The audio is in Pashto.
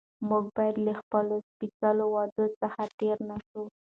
موږ باید له خپلو سپېڅلو وعدو څخه تېر نه شو